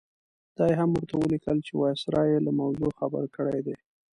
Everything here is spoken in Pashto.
دا یې هم ورته ولیکل چې وایسرا یې له موضوع خبر کړی دی.